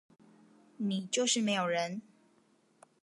你就是沒有人